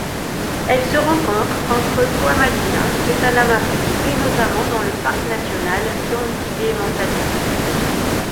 Elle se rencontre entre Toamasina et Tanaramé, et notamment dans le parc national d'Andasibe-Mantadia.